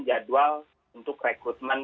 jadwal untuk rekrutmen